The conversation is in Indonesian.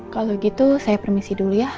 kalau begitu saya permisi dulu ya